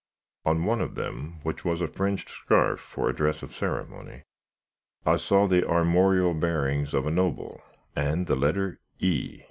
On one of them, which was a fringed scarf for a dress of ceremony, I saw the armorial bearings of a Noble, and the letter E.